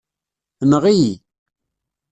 Enɣ-iyi.